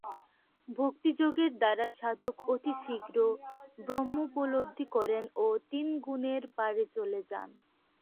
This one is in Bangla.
ভক্তিযোগের দ্বারা সাধক অতি শীঘ্র ব্রহ্মোপলব্ধি করেন ও তিন গুণের পারে চলে যান।